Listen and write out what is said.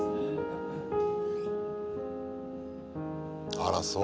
あらそう。